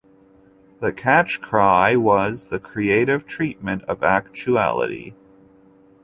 The catchcry was "the creative treatment of actuality".